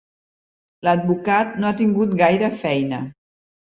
L'advocat no ha tingut gaire feina.